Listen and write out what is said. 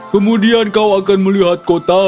kemudian kau akan melihat kota